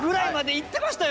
いってましたよ！